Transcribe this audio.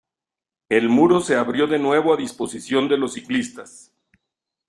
El Muro se abrió de nuevo a disposición de los ciclistas.